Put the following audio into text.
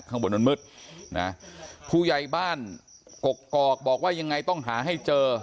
ข้างบนมันมืดนะผู้ใหญ่บ้านกกอกบอกว่ายังไงต้องหาให้เจอ